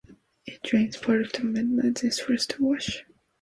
It drains part of the Midlands eastwards to The Wash.